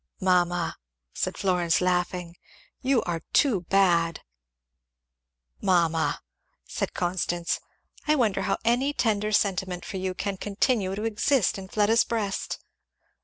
"Mamma," said Florence laughing, "you are too bad!" "Mamma," said Constance, "I wonder how any tender sentiment for you can continue to exist in Fleda's breast!